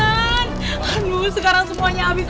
aduh sekarang semuanya abis